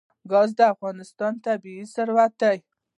ګاز د افغانستان طبعي ثروت دی.